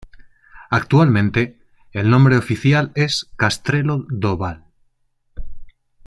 Actualmente el nombre oficial es Castrelo do Val.